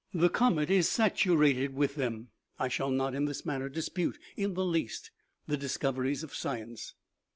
The comet is saturated with them. I shall not in this matter dispute in the least the discoveries of science."